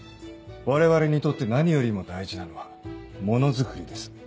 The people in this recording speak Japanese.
我々にとって何よりも大事なのはものづくりです。